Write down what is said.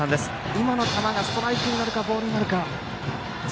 今の球がストライクになるかボールになるか。